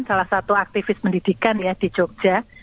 salah satu aktivis pendidikan ya di jogja